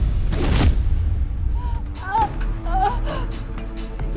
apa yang terjadi